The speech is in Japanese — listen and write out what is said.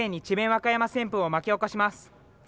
和歌山旋風を巻き起こします。